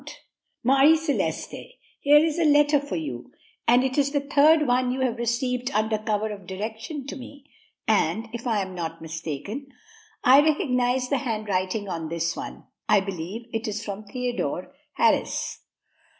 [Illustration: 9205] Marie Celeste, here is a letter for you, and it is the third one you have received under cover of direction to me; and, if I am not mistaken, I recognize the handwriting on this one; I believe it is from Theodore Harris."